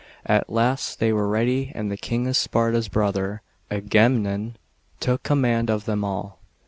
At last they were ready, and the King of Sparta's brother, Aga memnon, took command of them all.